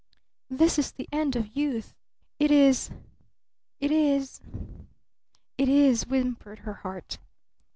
"This is the end of youth. It is it is it is," whimpered her heart.